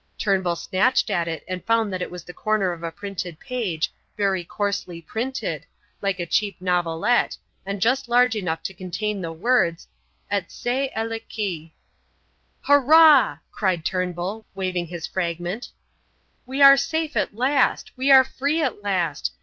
Turnbull snatched at it and found it was the corner of a printed page, very coarsely printed, like a cheap novelette, and just large enough to contain the words: "et c'est elle qui " "Hurrah!" cried Turnbull, waving his fragment; "we are safe at last. We are free at last.